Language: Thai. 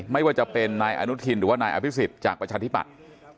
ไม่ว่าจะเป็นนายอนุทินหรือว่านายอภิษฎจากประชาธิปัตย์